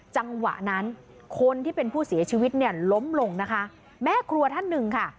จังหวะนั้นคนที่เป็นผู้เสียชีวิตเนี่ยล้มลงนะคะแม่ครัวท่านหนึ่งค่ะ